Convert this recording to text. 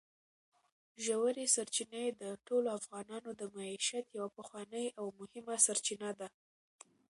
ژورې سرچینې د ټولو افغانانو د معیشت یوه پخوانۍ او مهمه سرچینه ده.